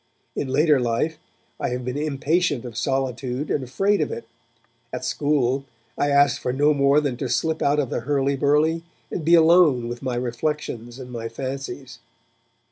In later life, I have been impatient of solitude, and afraid of it; at school, I asked for no more than to slip out of the hurly burly and be alone with my reflections and my fancies.